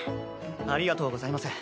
ありがとうございます。